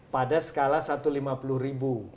pada skala satu ratus lima puluh ribu